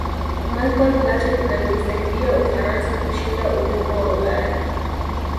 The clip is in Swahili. michael platin aliisaidia ufaransa kushinda ubingwa wa ulaya